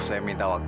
setelah p quit